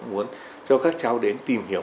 muốn cho các cháu đến tìm hiểu